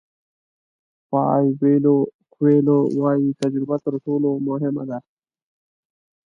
پاویلو کویلو وایي تجربه تر ټولو مهمه ده.